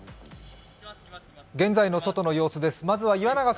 現在の外の様子です。